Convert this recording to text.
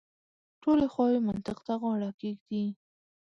ټولې خواوې منطق ته غاړه کېږدي.